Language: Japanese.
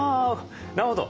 なるほど。